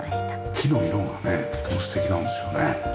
木の色がねとても素敵なんですよね。